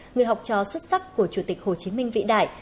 người học trò xuất sắc của chủ tịch hồ chí minh vĩ đại